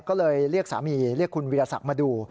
ก็เลยเรียกสามีเรียกคุณวิทยาศักดิ์มาดู